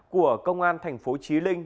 của công an thành phố trí linh